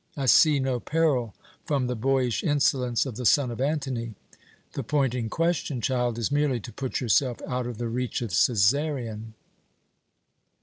I see no peril from the boyish insolence of the son of Antony. The point in question, child, is merely to put yourself out of the reach of Cæsarion."